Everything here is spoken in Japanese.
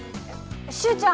柊ちゃん